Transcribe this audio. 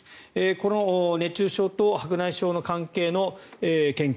この熱中症と白内障の関係の研究